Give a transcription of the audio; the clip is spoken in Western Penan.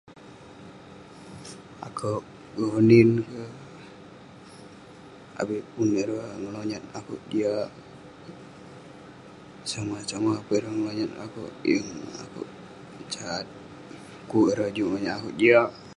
Akouk mengonin kek, avik pun ireh ngelonyat akouk jiak. Somah somah peh ireh ngelonyat akouk, yeng akouk sat. Kuk ireh juk ngelonyat akouk jiak.